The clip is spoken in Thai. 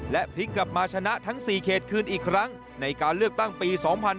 และพลิกกลับมาชนะทั้ง๔เขตคืนอีกครั้งในการเลือกตั้งปี๒๕๕๙